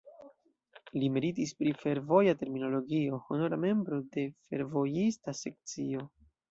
Li meritis pri fervoja terminologio, honora membro de fervojista sekcio.